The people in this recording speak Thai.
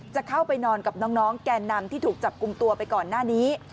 จะเข้าไปนอนกับน้องแก่นำที่ถูกจับกลุ่มตัวไปก่อนหน้านี้